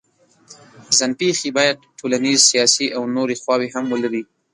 ځان پېښې باید ټولنیز، سیاسي او نورې خواوې هم ولري.